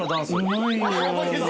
うまいよ。